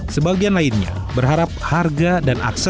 sebagian lainnya berharap harga dan akses